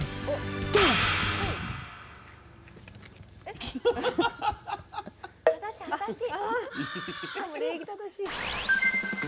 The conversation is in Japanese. でも礼儀正しい。